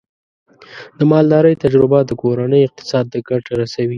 د مالدارۍ تجربه د کورنۍ اقتصاد ته ګټه رسوي.